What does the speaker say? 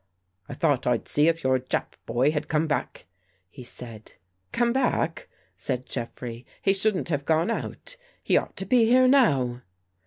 " I thought I'd see if your Jap boy had come back," he said. "Come back?" said Jeffrey. "He shouldn't have gone out. He ought to be here now."